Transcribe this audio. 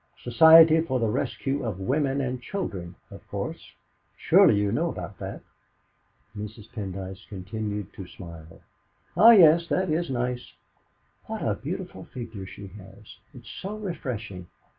"Society for the Rescue of Women and Children, of course. Surely you know about that?" Mrs. Pendyce continued to smile. "Ah, yes, that is nice! What a beautiful figure she has! It's so refreshing.